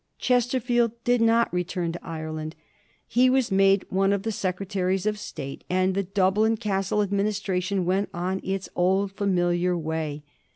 Chesterfield did not return to Ireland. He was made one of the Sec retaries of State, and the Dublin Castle administration went on its old familiar way.